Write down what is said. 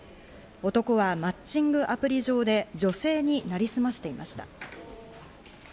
男はマッチングアプリ上で女性になりすましていました。